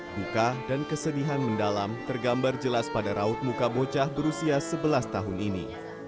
duka dan kesedihan mendalam tergambar jelas pada raut muka bocah berusia sebelas tahun ini